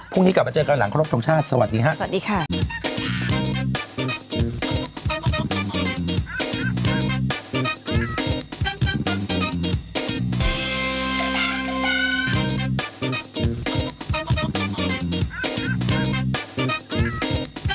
พรุ่งนี้กลับมาเจอกันกันหลังครบทรงชาติสวัสดีค่ะ